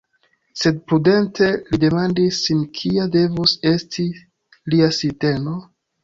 Sed prudente li demandis sin kia devus esti lia sinteno?